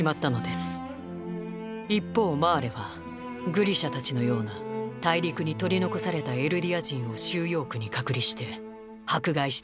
一方マーレはグリシャたちのような大陸に取り残されたエルディア人を収容区に隔離して迫害していました。